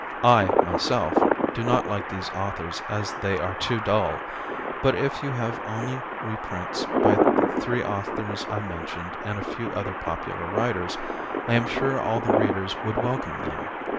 I, myself, do not like these authors as they are too dull. But if you have only reprints by the three authors I mentioned and a few other popular writers, I am sure all the readers would welcome them.